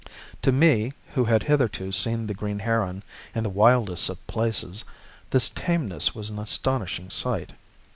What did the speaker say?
To me, who had hitherto seen the green heron in the wildest of places, this tameness was an astonishing sight.